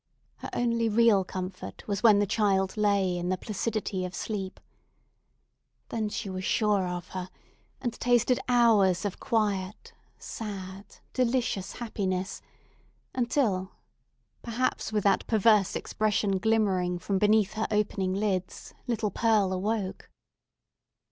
Her only real comfort was when the child lay in the placidity of sleep. Then she was sure of her, and tasted hours of quiet, sad, delicious happiness; until—perhaps with that perverse expression glimmering from beneath her opening lids—little Pearl awoke!